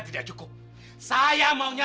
tidak cukup saya maunya